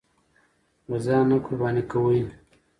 به ځان نه قرباني کوئ!